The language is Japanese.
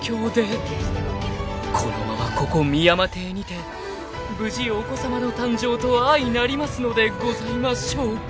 ［このままここ深山邸にて無事お子さまの誕生と相成りますのでございましょうか］